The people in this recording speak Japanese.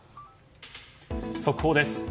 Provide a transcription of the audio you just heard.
速報です。